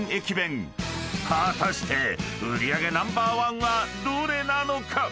［果たして売り上げナンバーワンはどれなのか？］